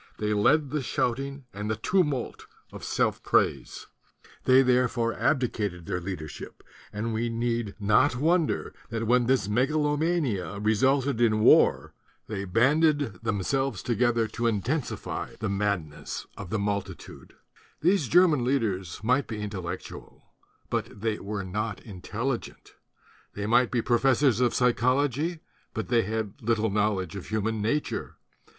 They led the shouting and the tumult of self praise. They 38 THE DUTY OF THE INTELLECTUALS thereby abdicated their leadership; and we need not wonder that when this megalomania re sulted in war they banded themselves together to intensify the madness of the multitude. These German leaders might be intellectual; but they were not intelligent. They might be professors of psychology; but they had little knowledge of human nature.